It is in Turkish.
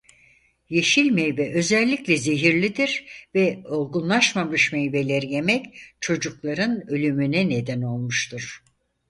Yeşil meyve özellikle zehirlidir ve olgunlaşmamış meyveleri yemek çocukların ölümüne neden olmuştur.